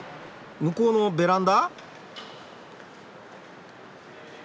向こうのベランダ？